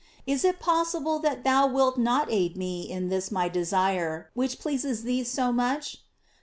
Is it possible that thou wilt not aid me in this my desire, which pleases thee so much